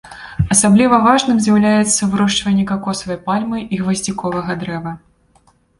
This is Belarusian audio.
Асабліва важным з'яўляюцца вырошчванне какосавай пальмы і гваздзіковага дрэва.